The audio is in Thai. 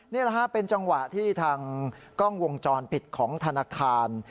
นี่แหละฮะเป็นจังหวะที่ทางกล้องวงจรปิดของธนาคาร